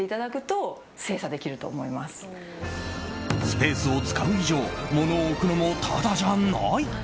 スペースを使う以上物を置くのもタダじゃない。